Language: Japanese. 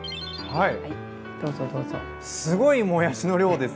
はい。